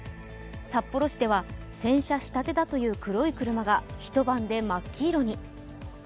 札幌市では洗車したてだという黒い車が一晩で真っ黒に。